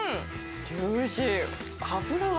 ジューシー。